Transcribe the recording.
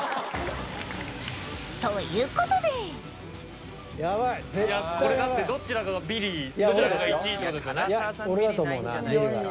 ということでこれだってどちらかがビリどちらかが１位ってことですよね？